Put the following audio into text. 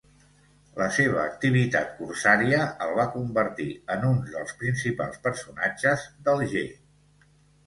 La seva activitat corsària el va convertir en un dels principals personatges d'Alger.